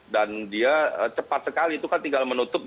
dan dia cepat sekali itu kan tinggal menutup